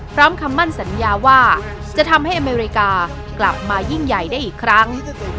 คำมั่นสัญญาว่าจะทำให้อเมริกากลับมายิ่งใหญ่ได้อีกครั้ง